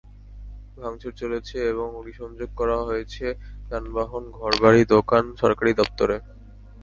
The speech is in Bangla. ভাঙচুর চলেছে এবং অগ্নিসংযোগ করা হয়েছে যানবাহন, ঘরবাড়ি, দোকান, সরকারি দপ্তরে।